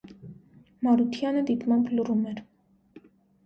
Մարությանը դիտմամբ լռում էր: